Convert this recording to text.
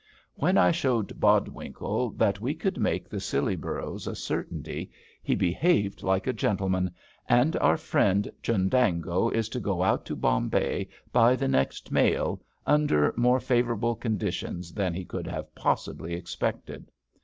"When I showed Bodwinkle that we could make the Scilly boroughs a certainty, he behaved like a gentleman, and our friend Chundango is to go out to Bombay by the next mail, under more favourable conditions than he could have possibly expected.